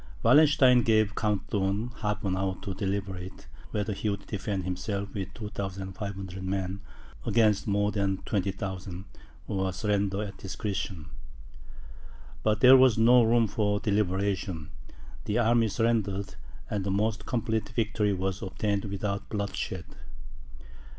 Wallenstein gave Count Thurn half an hour to deliberate whether he would defend himself with 2,500 men, against more than 20,000, or surrender at discretion. But there was no room for deliberation. The army surrendered, and the most complete victory was obtained without bloodshed.